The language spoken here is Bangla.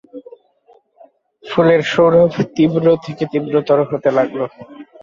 ফুলের সৌরভ তীব্র থেকে তীব্রতর হতে লাগল।